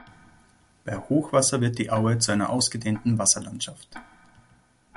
Bei Hochwasser wird die Aue zu einer ausgedehnten Wasserlandschaft.